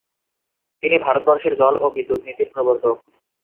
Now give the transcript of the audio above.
তিনি ভারতবর্ষের জল ও বিদ্যুতনীতির প্রবর্তক ।